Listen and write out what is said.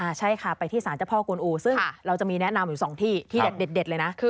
ใช่ค่ะไปที่สารเจ้าพ่อกวนอูซึ่งเราจะมีแนะนำอยู่สองที่ที่เด็ดเลยนะ